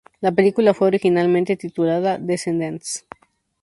La película fue originalmente titulada "Descendants".